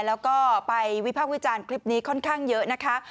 แล้วก็ไปวิพากษ์วิจารณ์คลิปนี้ค่อนข้างเยอะนะคะ